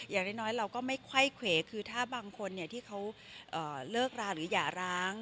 อย่างน้อยเราก็ไม่ค่อยเขวคือถ้าบางคนที่เขาเลิกราหรืออย่าร้าง